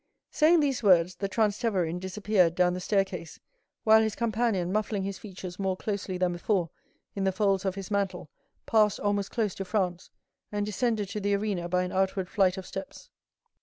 Saying these words, the Transteverin disappeared down the staircase, while his companion, muffling his features more closely than before in the folds of his mantle, passed almost close to Franz, and descended to the arena by an outward flight of steps.